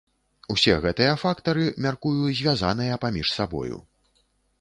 Усе гэтыя фактары, мяркую, звязаныя паміж сабою.